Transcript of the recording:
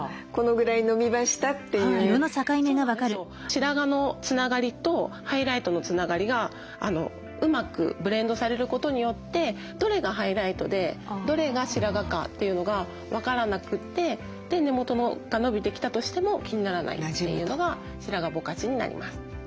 白髪のつながりとハイライトのつながりがうまくブレンドされることによってどれがハイライトでどれが白髪かというのが分からなくてで根元が伸びてきたとしても気にならないというのが白髪ぼかしになります。